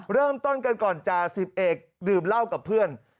เริ่มต้นกันก่อนจ่าสิบเอกดื่มเหล้ากับเพื่อน